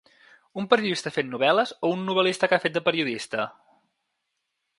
Un periodista fent novel·les o un novel·lista que ha fet de periodista?